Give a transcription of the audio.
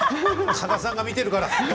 加賀さんが見てるから。